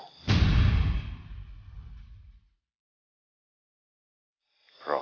kau setia padaku